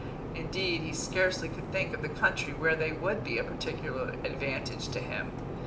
Indeed, he scarcely could think of the country where they would be a particular advantage to him.